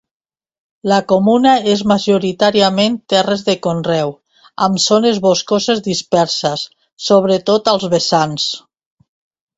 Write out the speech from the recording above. La comuna és majoritàriament terres de conreu amb zones boscoses disperses, sobretot als vessants.